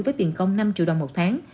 với tiền công năm triệu đồng một tháng